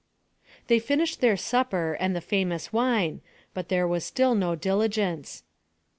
They finished their supper and the famous wine, but there was still no diligence.